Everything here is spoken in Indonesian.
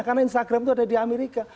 karena instagram itu ada di amerika